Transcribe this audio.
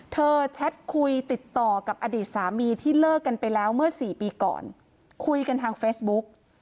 แชทคุยติดต่อกับอดีตสามีที่เลิกกันไปแล้วเมื่อสี่ปีก่อนคุยกันทางเฟซบุ๊ก